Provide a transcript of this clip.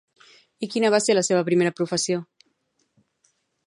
I quina va ser la seva primera professió?